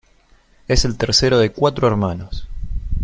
Es el tercero de cuatro hermanos.